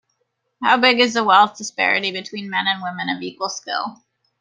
How big is the wealth disparity between men and women of equal skill?